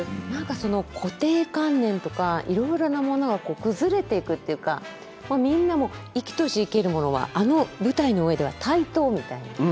何かその固定観念とかいろいろなものが崩れていくっていうかみんな生きとし生けるものはあの舞台の上では対等みたいな。